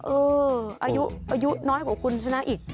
อายุน้อยกว่าคุณชนะอีก